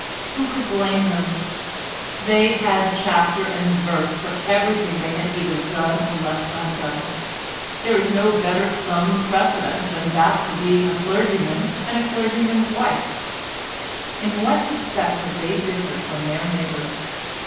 Who could blame them? They had chapter and verse for everything they had either done or left undone; there is no better thumbed precedent than that for being a clergyman and a clergyman's wife. In what respect had they differed from their neighbours?